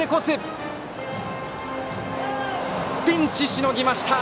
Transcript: ピンチしのぎました！